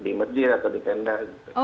di masjid atau di kendara gitu